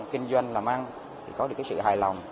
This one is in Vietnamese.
kinh doanh làm ăn thì có được cái sự hài lòng